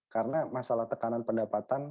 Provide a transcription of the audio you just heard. karena masalah tekanan pendapatan